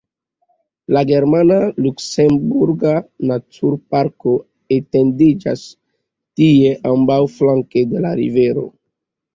La germana-luksemburga naturparko etendiĝas tie ambaŭflanke de la rivero.